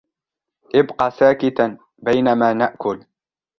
ابق ساكتا بينما نأكل.